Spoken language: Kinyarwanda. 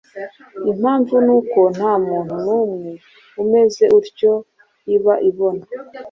Impamvu ni uko nta muntu n’umwe umeze utyo iba ibona.